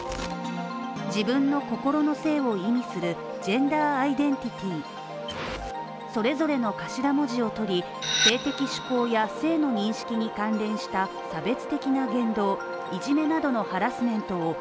自分の心の性を意味するジェンダー・アイデンティティーそれぞれの頭文字を取り、性的指向や性の認識に関連した差別的な言動いじめなどのハラスメントをＳＯＧＩ